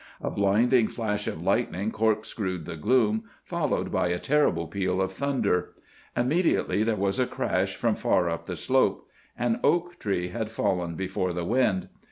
A blinding flash of lightning corkscrewed the gloom, followed by a terrible peal of thunder. Immediately there was a crash from far up the slope. An oak tree had fallen before the wind.